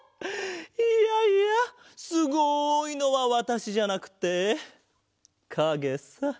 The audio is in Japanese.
いやいやすごいのはわたしじゃなくってかげさ。